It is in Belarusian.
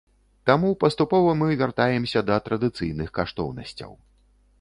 Таму паступова мы вяртаемся да традыцыйных каштоўнасцяў.